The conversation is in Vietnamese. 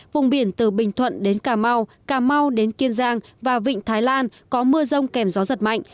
vùng biển từ bình thuận đến cà mau cà mau đến kiên giang và vịnh thái lan có mưa rông kèm gió giật mạnh